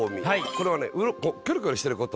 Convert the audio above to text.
これはねキョロキョロしてること。